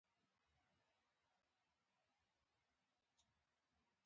امر باالمعروف او نهي عنالمنکر د برياليو قومونو صفات ښودلي دي.